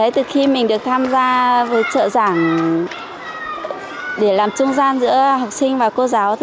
từ khi mình được tham gia với trợ giảng để làm trung gian giữa học sinh và cô giáo